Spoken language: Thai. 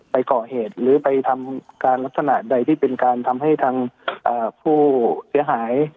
ไปก่อเหตุหรือไปทำการลักษณะใดที่เป็นการทำให้ทางผู้เสียหาย